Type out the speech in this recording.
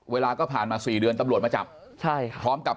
เวลาก็ผ่านมาสี่เดือนตำรวจมาจับใช่ค่ะพร้อมกับ